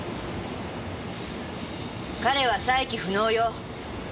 彼は再起不能よ！